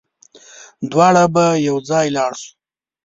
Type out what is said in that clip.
دواړه به يوځای لاړ شو